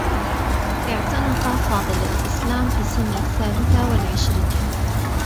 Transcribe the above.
اعتنق فاضل الإسلام في سنّ الثالثة و العشرين.